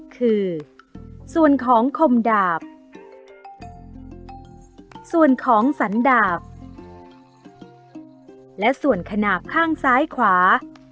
คือส่วนของคมดาบส่วนของสันดาบและส่วนขนาดข้างซ้ายขวา